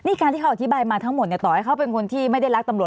นี่การที่เขาอธิบายมาทั้งหมดเนี่ยต่อให้เขาเป็นคนที่ไม่ได้รักตำรวจ